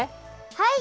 はい！